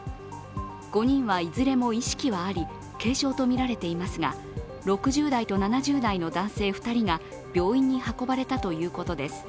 ５人はいずれも意識があり軽傷とみられていますが、６０代と７０代の男性２人が病院に運ばれたということです。